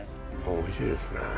おいしいですね。